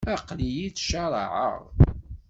Aql-iyi ttcaraɛeɣ.